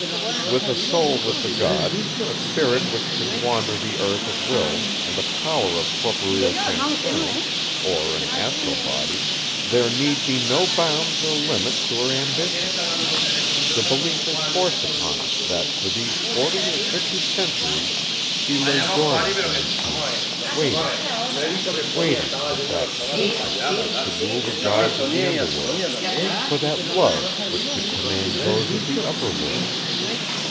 With a soul with the Gods, a spirit which could wander the earth at will, and a power of corporeal transference, or an astral body, there need be no bounds or limits to her ambition. The belief is forced upon us that for these forty or fifty centuries she lay dormant in her tomb—waiting. Waiting with that 'patience' which could rule the Gods of the Under World, for that 'love' which could command those of the Upper World.